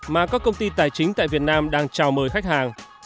mà các công ty tài chính tại việt nam đang chào mời khách hàng